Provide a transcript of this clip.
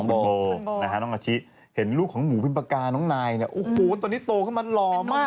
คุณโบนะฮะน้องอาชิเห็นลูกของหมูพิมปากกาน้องนายเนี่ยโอ้โหตอนนี้โตขึ้นมาหล่อมาก